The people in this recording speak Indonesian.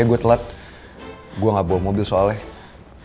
gue telat gue gak bawa mobil soalnya